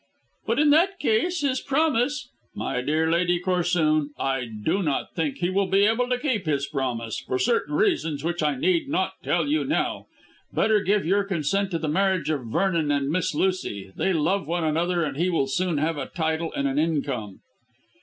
"But in that case his promise " "My dear Lady Corsoon, I do not think he will be able to keep his promise, for certain reasons which I need not tell you now. Better give your consent to the marriage of Vernon and Miss Lucy. They love one another and he will soon have a title and an income."